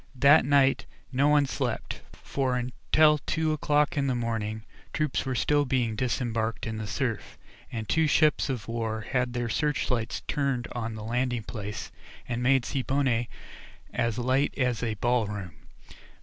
That night no one slept, for until two o'clock in the morning, troops were still being disembarked in the surf, and two ships of war had their searchlights turned on the landing place, and made Siboney as light as a ball room.